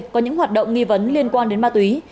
có những hoạt động nghi vấn liên quan đến ma túy